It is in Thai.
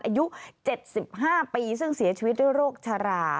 อายุ๗๕ปีซึ่งเสียชีวิตด้วยโรคชรา